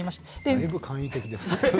だいぶ簡易的ですね。